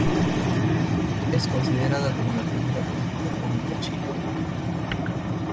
Es considerada como la primera película cómica chilena.